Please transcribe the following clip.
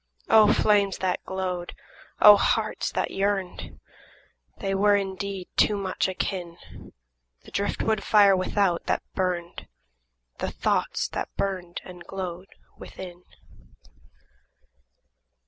O flames that glowed! O hearts that yearned! They were indeed too much akin, – The drift wood fire without that burned, The thoughts that burned and glowed within.